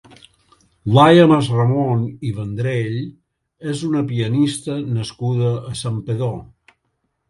Laia Masramon i Vendrell és una pianista nascuda a Santpedor.